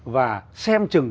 và xem chừng